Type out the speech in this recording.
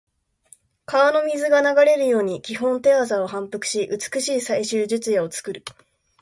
川の水が流れるように基本手技を反復し、美しい最終術野を作る。